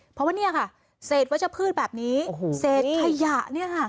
เพราะว่าเนี่ยค่ะเสธวาชพืชแบบนี้เสธขยะเนี่ยค่ะ